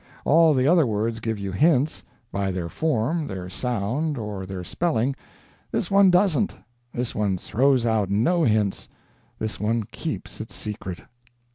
All the other words give you hints, by their form, their sound, or their spelling this one doesn't, this one throws out no hints, this one keeps its secret.